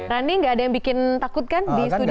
rani gak ada yang bikin takut kan di studio